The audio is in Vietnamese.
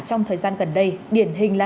trong thời gian gần đây điển hình là